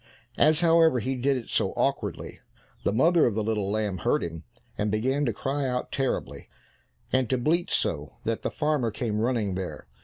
As, however, he did it so awkwardly, the mother of the little lamb heard him, and began to cry out terribly, and to bleat so that the farmer came running there.